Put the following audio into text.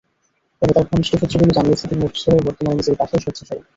তবে তাঁর ঘনিষ্ঠ সূত্রগুলো জানিয়েছে, তিনি অসুস্থ হয়ে বর্তমানে নিজের বাসায় শয্যাশায়ী।